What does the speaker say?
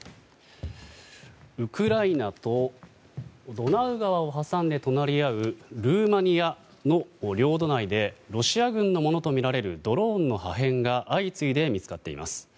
ウクライナとドナウ川を挟んで隣り合うルーマニアの領土内でロシア軍のものとみられるドローンの破片が相次いで見つかっています。